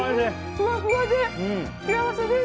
ふわふわで幸せです。